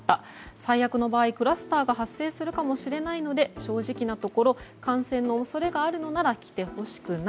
最悪の場合、クラスターが発生するかもしれないので正直なところ感染の恐れがあるのなら来てほしくない。